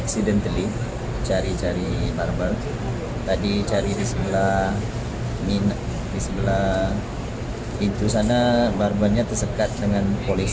sebab ingin mengikuti